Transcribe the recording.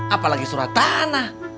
apalagi surat tanah